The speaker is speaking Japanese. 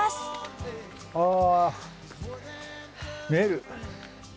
あ見える！